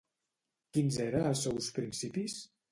Quins eren els seus principis?